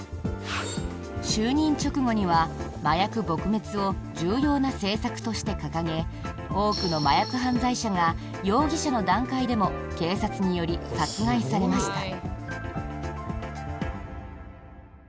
就任直後には麻薬撲滅を重要な政策として掲げ多くの麻薬犯罪者が容疑者の段階でも警察により殺害されました。